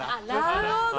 なるほど！